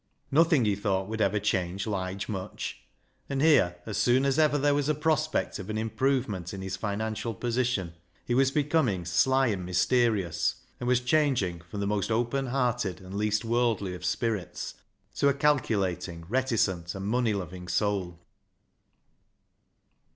Nothing, he thought, would ever change Lige much ; and here, as soon as ever there was a prospect of an improvement in his financial position, he was becoming sly and mysterious, and was changing from the most open hearted and least worldly of spirits, to a calculating, reticent, and money loving soul.